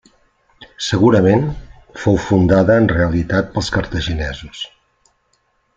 Segurament, fou fundada en realitat pels cartaginesos.